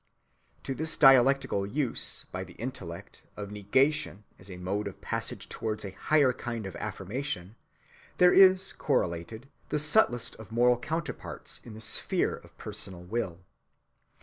(266) To this dialectical use, by the intellect, of negation as a mode of passage towards a higher kind of affirmation, there is correlated the subtlest of moral counterparts in the sphere of the personal will.